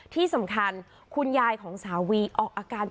ที่สำคัญคุณยายของสาววีออกอาการ